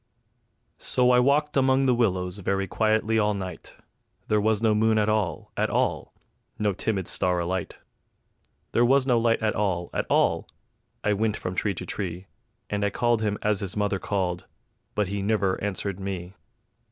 So I walked among the willows very quietly all night; There was no moon at all, at all; no timid star alight; There was no light at all, at all; I wint from tree to tree, And I called him as his mother called, but he nivver answered me.